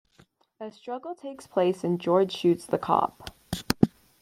A struggle takes place and George shoots the cop.